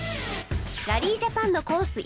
ラリージャパンのコース